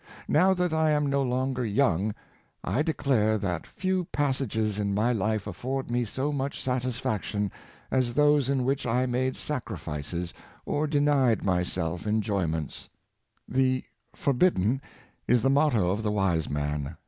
Now that I am no longer young, I declare that few passages in my life afford me so much satisfiction as those in which I made sacrifices or denied myself enjoyments. Michelefs Tribute to his Mother, 109 " The Forbidden " is the motto of the wise man.